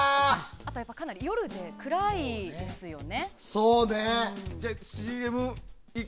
あと夜でかなり暗いですよね。